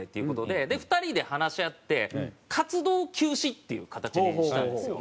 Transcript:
で２人で話し合って活動休止っていう形にしたんですよ。